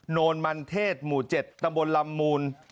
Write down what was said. โนนมันเทศหมู่๗ตำบลลำมูล